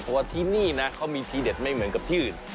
เพราะว่าที่นี่นะเขามีทีเด็ดไม่เหมือนกับที่อื่น